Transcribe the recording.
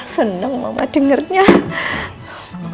senang mama dengernya